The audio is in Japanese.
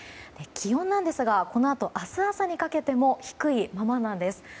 気温なんですがこのあと、明日朝にかけても低いままなんです。